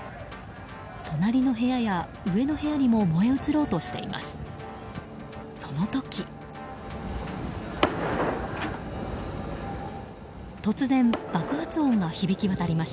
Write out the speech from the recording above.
隣の部屋や上の部屋にも燃え移ろうとしています。